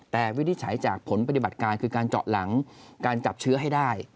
แต่วินิจฉัยจากผลปฏิบัติการคือการเจาะหลังการจับเชื้อให้ได้